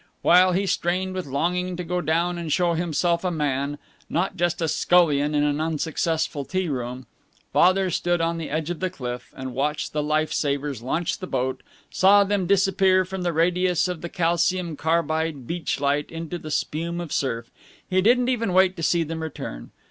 While he strained with longing to go down and show himself a man not just a scullion in an unsuccessful tea room Father stood on the edge of the cliff and watched the life savers launch the boat, saw them disappear from the radius of the calcium carbide beach light into the spume of surf. He didn't even wait to see them return.